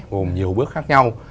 gồm nhiều bước khác nhau